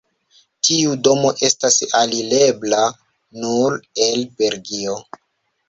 Tiu domo estas alirebla nur el Belgio.